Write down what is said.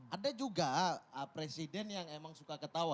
ada juga presiden yang emang suka ketawa